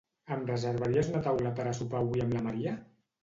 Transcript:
Em reservaries una taula per a sopar avui amb la Maria?